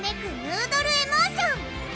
ヌードル・エモーション！